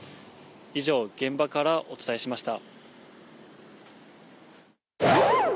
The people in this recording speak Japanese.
以上、現場からお伝えしました。